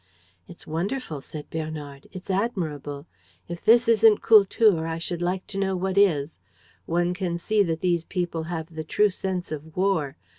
"It's wonderful," said Bernard. "It's admirable. If this isn't Kultur, I should like to know what is. One can see that these people have the true sense of war.